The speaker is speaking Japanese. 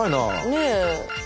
ねえ。